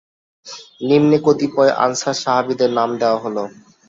নিম্নে কতিপয় আনসার সাহাবীদের নাম দেয়া হল,